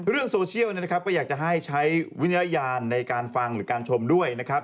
เรื่องโซเชียลนะครับก็อยากจะให้ใช้วิจารณญาณในการฟังหรือการชมด้วยนะครับ